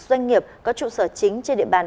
doanh nghiệp có chủ sở chính trên địa bàn